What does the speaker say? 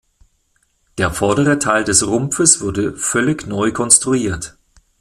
Der vordere Teil des Rumpfes wurde völlig neu konstruiert.